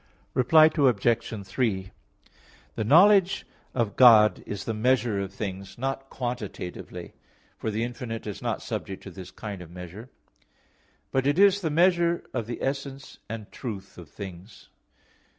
Reply Obj. 3: The knowledge of God is the measure of things, not quantitatively, for the infinite is not subject to this kind of measure; but it is the measure of the essence and truth of things.